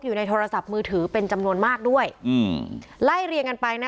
อยู่ในโทรศัพท์มือถือเป็นจำนวนมากด้วยอืมไล่เรียงกันไปนะ